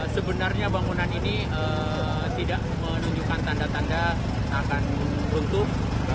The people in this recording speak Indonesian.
sebenarnya bangunan ini tidak menunjukkan tanda tanda akan runtuh